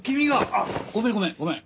あっごめんごめんごめん。